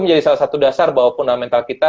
menjadi salah satu dasar bahwa fundamental kita